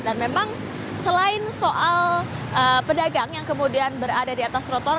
dan memang selain soal pedagang yang kemudian berada di atas trotoar